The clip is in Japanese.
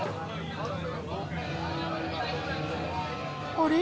あれ？